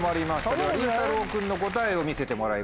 ではりんたろう君の答えを見せてもらいましょう。